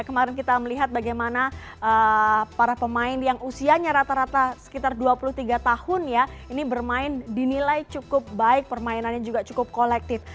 kemarin kita melihat bagaimana para pemain yang usianya rata rata sekitar dua puluh tiga tahun ya ini bermain dinilai cukup baik permainannya juga cukup kolektif